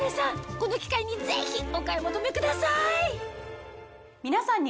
この機会にぜひお買い求めください皆さんに。